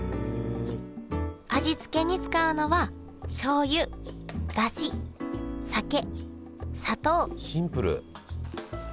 味付けに使うのはシンプル。